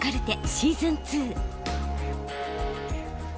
シーズン２。